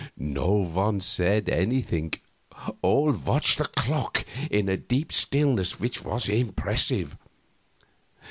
No one said anything; all watched the clock in a deep stillness which was impressive.